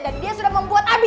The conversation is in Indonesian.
dan dia sudah membuat nabi